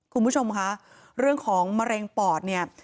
คุณผู้ชมคะเรื่องของมะเร็งปอดเนี่ย